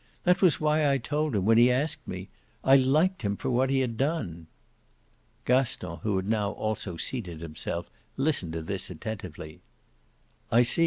That was why I told him when he asked me. I liked him for what he had done." Gaston, who had now also seated himself, listened to this attentively. "I see.